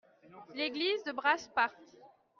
l'église de Brasparts.